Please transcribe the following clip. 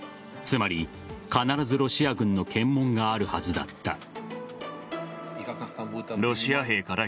つまり、必ずロシア軍の検問があるはずだった。